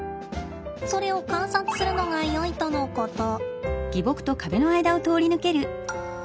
それを観察するのがよいとのこと。